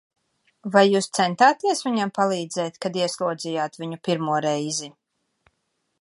Vai jūs centāties viņam palīdzēt, kad ieslodzījāt viņu pirmo reizi?